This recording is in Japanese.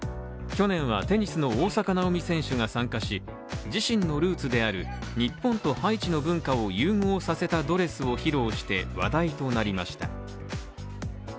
去年はテニスの大坂なおみ選手が参加し、自身のルーツである日本とハイチの文化を融合させたドレスを披露して話題となりました。